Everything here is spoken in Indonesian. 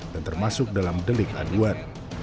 dan termasuk dalam delik aduan